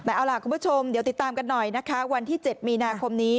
แต่เอาล่ะคุณผู้ชมเดี๋ยวติดตามกันหน่อยนะคะวันที่๗มีนาคมนี้